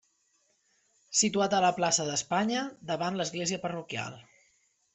Situat a la plaça d'Espanya, davant l'església parroquial.